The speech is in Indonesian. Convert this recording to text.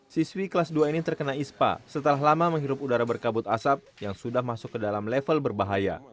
siswi kelas dua ini terkena ispa setelah lama menghirup udara berkabut asap yang sudah masuk ke dalam level berbahaya